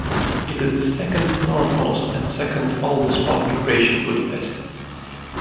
It is the second-northernmost and second-oldest public bridge in Budapest.